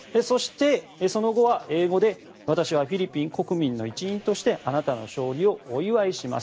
その後は英語で私はフィリピン国民の一員としてあなたの勝利をお祝いします。